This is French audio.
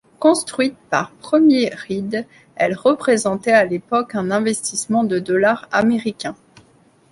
Construite par Premier Rides, elle représentait à l'époque un investissement de dollars américains.